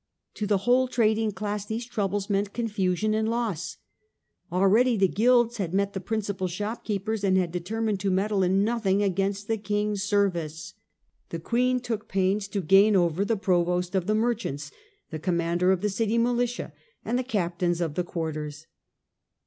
To the whole trading class these troubles meant confusion and loss. Already the guilds had met the principal shopkeepers, and had determined to meddle in nothing against the King's service. The Queen took pains to gain over the provost of the merchants, the commander of the city militia, and the captains of the quarters.